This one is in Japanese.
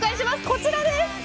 こちらです。